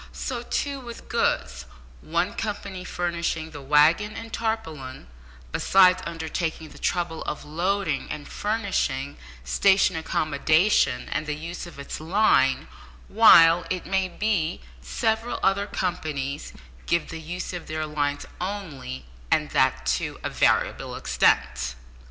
So, too, with goods one company furnishing the waggon and tarpaulin, besides undertaking the trouble of loading and furnishing station accommodation and the use of its line, while, it may be, several other companies give the use of their lines only, and that to a variable extent.